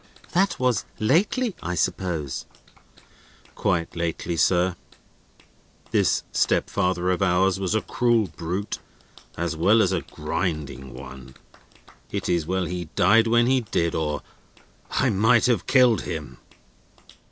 "That was lately, I suppose?" "Quite lately, sir. This stepfather of ours was a cruel brute as well as a grinding one. It is well he died when he did, or I might have killed him."